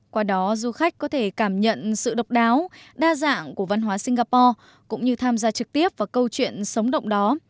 qua đó du khách có thể cảm nhận sự độc đáo đa dạng của văn hóa singapore cũng như tham gia trực tiếp vào câu chuyện sống động đó